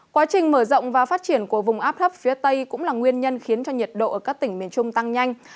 quá trình mở rộng và phát triển của vùng áp thấp phía tây cũng là nguyên nhân khiến cho nhiệt độ ở các tỉnh miền trung tăng nhanh